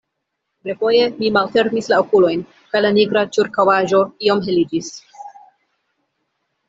Refoje mi malfermis la okulojn, kaj la nigra ĉirkaŭaĵo iom heliĝis.